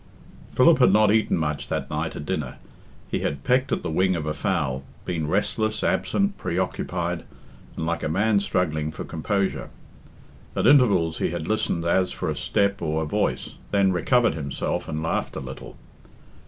XIX. Philip had not eaten much that night at dinner. He had pecked at the wing of a fowl, been restless, absent, preoccupied, and like a man struggling for composure. At intervals he had listened as for a step or a voice, then recovered himself and laughed a little.